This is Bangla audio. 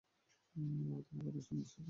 তোমার কথা শুনেছি, কর্পোরাল।